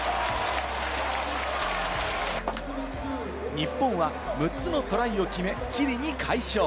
日本は６つのトライを決め、チリに快勝。